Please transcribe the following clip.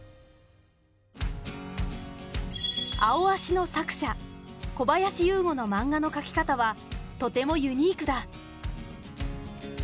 「アオアシ」の作者小林有吾のマンガの描き方はとてもユニークだ。